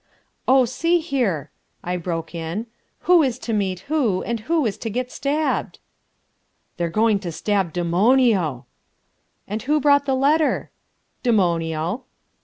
"Oh, see here!" I broke in, "who is to meet who, and who is to get stabbed?" "They're going to stab Demonio." "And who brought the letter?" "Demonio."